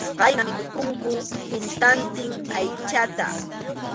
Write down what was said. Khayna mikhuykunku tutantin aychata.